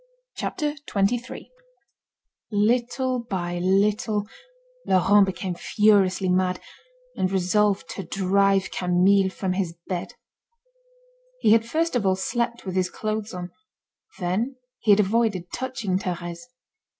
CHAPTER XXIII Little by little, Laurent became furiously mad, and resolved to drive Camille from his bed. He had first of all slept with his clothes on, then he had avoided touching Thérèse.